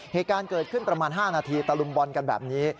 เหตุการณ์เกิดขึ้นประมาณ๕นาทีตะลุมบอลกันแบบนี้